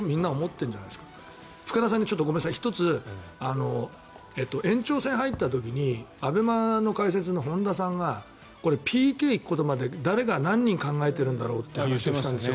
ごめんなさい福田さんに１つ延長戦に入った時にＡＢＥＭＡの解説の本田さんがＰＫ行くことまで誰が何人考えているんだろうって話をしてたんですよ。